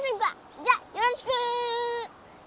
じゃよろしく！え！